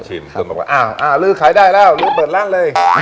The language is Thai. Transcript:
คนบอกว่าลือขายได้แล้วลื้อเปิดร้านเลย